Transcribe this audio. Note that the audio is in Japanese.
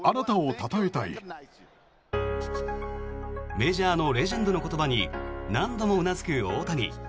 メジャーのレジェンドの言葉に何度もうなずく大谷。